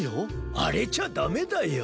あれじゃダメだよ。